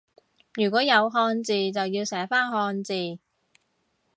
如果有漢字就要寫返漢字